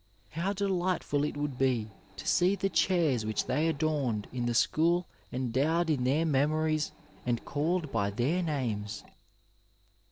How delightful it would be to see the chairs which ik^j adorned in the school endowed in their memories and caHed by their names